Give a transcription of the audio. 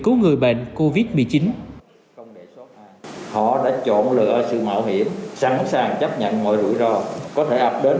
cứu người bệnh covid một mươi chín họ đã chọn lựa sự mạo hiểm sẵn sàng chấp nhận mọi rủi ro có thể ập đến